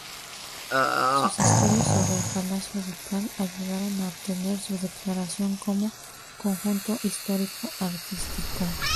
Sus estudios sobre el Palacio Ducal ayudaron a obtener su declaración como conjunto histórico–artístico.